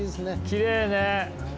きれいね。